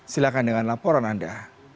silahkan dengan laporan anda